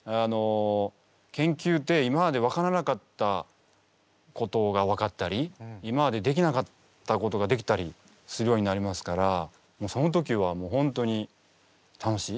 研究って今まで分からなかったことが分かったり今までできなかったことができたりするようになりますからその時はホントに楽しい。